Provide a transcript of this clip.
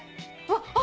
あっ！